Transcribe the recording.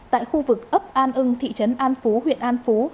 tại khu vực ấp an ưng thị trấn an phú huyện an phú